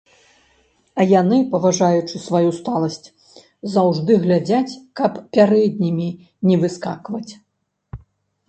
А яны, паважаючы сваю сталасць, заўжды глядзяць, каб пярэднімі не выскакваць.